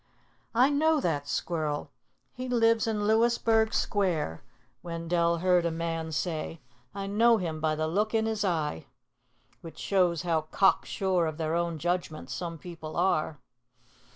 "I know that squirrel. He lives in Louisburg Square," Wendell heard a man say. "I know him by the look in his eye." Which shows how cocksure of their own judgments some people are.